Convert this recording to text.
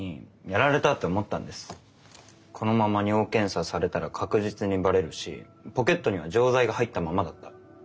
このまま尿検査されたら確実にバレるしポケットには錠剤が入ったままだった。